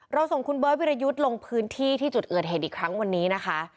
ส่งคุณเบิร์ตวิรยุทธ์ลงพื้นที่ที่จุดเกิดเหตุอีกครั้งวันนี้นะคะ